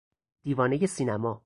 دیوانهی سینما